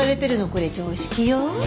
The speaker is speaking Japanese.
これ常識よ。